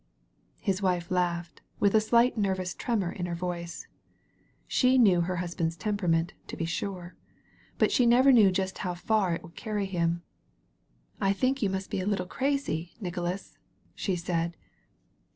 His wife laughed, with a slight nervous tremor in her voice. She knew her husband's temperament, to be sure, but she never knew just how far it would carry him. "'I think you must be a little crazy, Nicholas," she said.